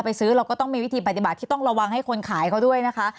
ซื้อเราก็ต้องมีวิธีปฏิบัติที่ต้องระวังให้คนขายเขาด้วยนะคะ